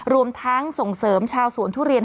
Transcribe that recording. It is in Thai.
รวมทั้งส่งเสริมชาวสวนทุเรียน